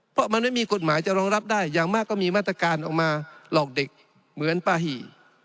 เพราะมันไม่มีกฎหมายจะรองรับได้อย่างมากก็มีมาตรการออกมาหลอกเด็กเหมือนปาหี่